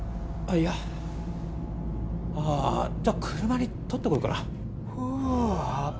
いやああじゃあ車に取ってこようかなふうあっ